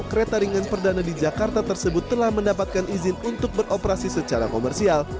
kereta ringan perdana di jakarta tersebut telah mendapatkan izin untuk beroperasi secara komersial